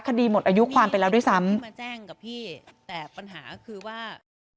คดีหมดอายุความไปแล้วด้วยซ้ำมาแจ้งกับพี่แต่ปัญหาคือว่า